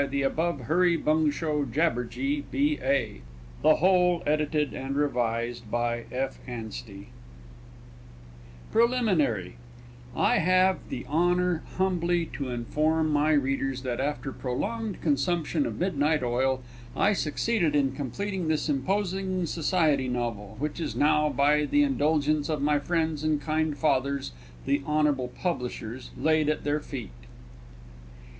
A SENSATIONAL DERBY STRUGGLE XIV. A GRAND FINISH THE PARABLES OF PILJOSH PRELIMINARY I have the honour humbly to inform my readers that, after prolonged consumption of midnight oil, I succeeded in completing this imposing society novel, which is now, by the indulgence of my friends and kind fathers, the honble publishers, laid at their feet.